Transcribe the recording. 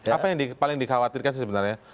apa yang paling dikhawatirkan sih sebenarnya